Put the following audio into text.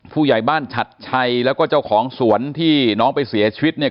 ผู้ใหญ่บ้านฉัดชัยแล้วก็เจ้าของสวนที่น้องไปเสียชีวิตเนี่ย